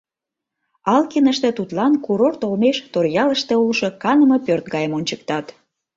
Алкиныште тудлан курорт олмеш Торъялыште улшо каныме пӧрт гайым ончыктат.